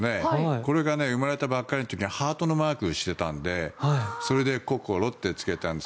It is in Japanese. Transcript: これが生まれたばかりの時にハートのマークをしていたのでそれでこころってつけたんです。